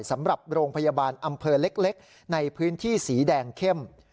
สำหรับโรงพยาบาลอำเภอเล็กในพื้นที่สีแดงเข้ม